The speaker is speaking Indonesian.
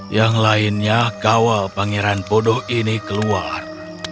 yang lainnya kawal pangeran bodoh ini keluar